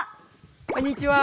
こんにちは！